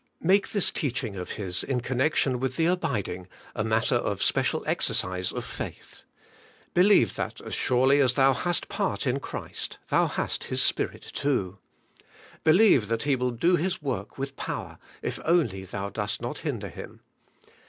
' Make this teaching of His in connection with the abiding matter of special exercise of faith. Believe that as surely as thou hast part in Christ thou hast His Spirit too. Believe that He will do His work with power, if only thou dost not hinder Him.